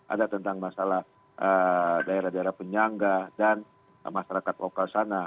ada tentang masalah daerah daerah penyangga dan masyarakat lokal sana